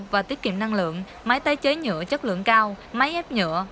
và tiết kiệm năng lượng máy tái chế nhựa chất lượng cao máy ép nhựa